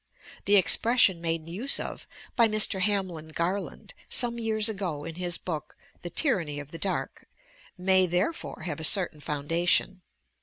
The expression made use of by Mr. Hamlin Garland some years ago in his book "The Tyranny of the Dark" may, therefore, have a certain foundation.